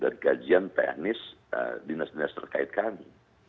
dan kajian teknis dinas dinas terkait kami